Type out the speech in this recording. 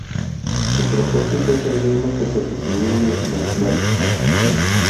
Su propósito es el mismo que se definió en las matemáticas.